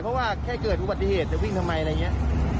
เพราะว่าแค่เกิดอุบัติเหตุจะวิ่งทำไมอะไรอย่างนี้